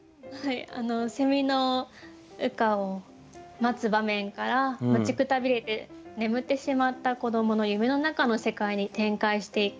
の羽化を待つ場面から待ちくたびれて眠ってしまった子どもの夢のなかの世界に展開していく。